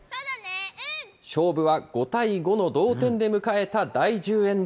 勝負は５対５の同点で迎えた第１０エンド。